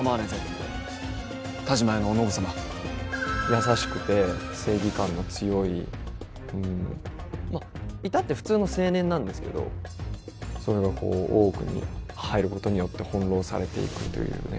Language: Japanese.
優しくて正義感の強いまあ至って普通の青年なんですけどそれがこう大奥に入ることによって翻弄されていくというね。